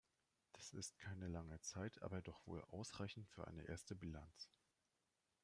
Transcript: Das ist keine lange Zeit, aber doch wohl ausreichend für eine erste Bilanz.